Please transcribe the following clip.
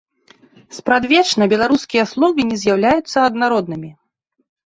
Спрадвечна беларускія словы не з'яўляюцца аднароднымі.